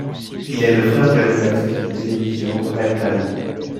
Il est le frère de l'animatrice de télévision Reine Malo.